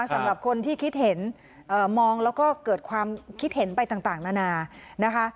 สำหรับคนที่คิดเห็นมองแล้วก็เกิดความคิดเห็นไปต่างนานานะคะ